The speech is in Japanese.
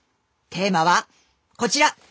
テーマはこちら。